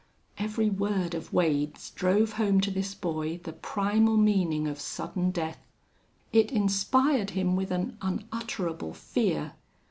Every word of Wade's drove home to this boy the primal meaning of sudden death. It inspired him with an unutterable fear.